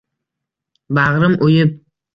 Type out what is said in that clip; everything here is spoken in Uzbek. Bag’rim o’yib